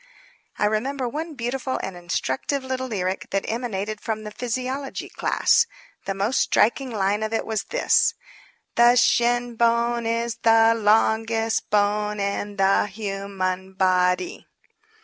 I remember one beautiful and instructive little lyric that emanated from the physiology class. The most striking line of it was this: "The shin bone is the long est bone in the hu man bod y."